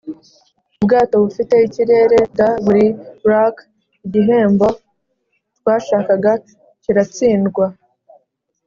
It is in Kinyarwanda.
ubwato bufite ikirere'd buri rack, igihembo twashakaga kiratsindwa,